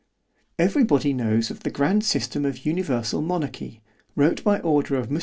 Every body knows of the grand system of Universal Monarchy, wrote by order of Mons.